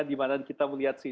di mana kita melihat